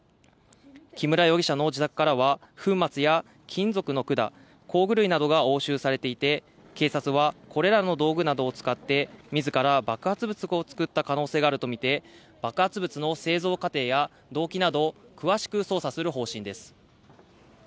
木村容疑者の自宅からは粉末や金属の管、工具類などが押収されていて、警察はこれらの道具などを使って自ら爆発物を作った可能性があるとみて爆発物の製造過程や動機など詳しく捜査する方針です。